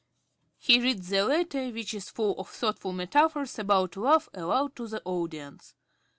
(_He reads the letter, which is full of thoughtful metaphors about love, aloud to the audience.